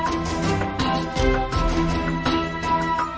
ก็ไม่น่าจะดังกึ่งนะ